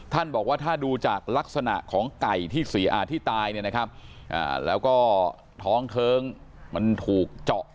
ท่านบอกว่าถ้าดูจากลักษณะของไก่ที่ตายเนี่ยนะครับแล้วก็ท้องเทิงมันถูกเจาะ